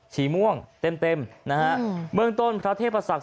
ชีม่วงเต็มเมืองต้นพระเทพศักดิ์